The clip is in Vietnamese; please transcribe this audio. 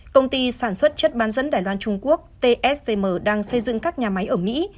công ty sản xuất chất bán dẫn đài loan trung quốc tstm đang xây dựng các nhà máy ở mỹ